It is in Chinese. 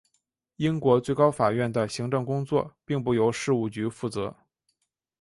英国最高法院的行政工作并不由事务局负责。